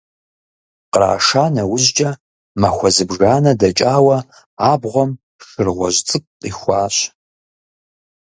Къраша нэужькӀэ, махуэ зыбжанэ дэкӀауэ, абгъуэм шыр гъуэжь цӀыкӀу къихуащ.